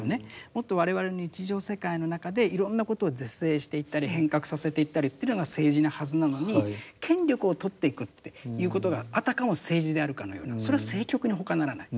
もっと我々の日常世界の中でいろんなことを是正していったり変革させていったりというのが政治なはずなのに権力を取っていくっていうことがあたかも政治であるかのようなそれは政局にほかならない。